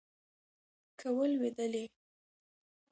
که ولوېدلې